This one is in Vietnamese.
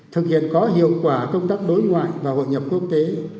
thực hiện có hiệu quả công tác đối ngoại và hội nhập quốc tế